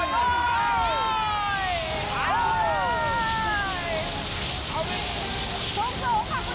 หน้าอะไรก็น่ะ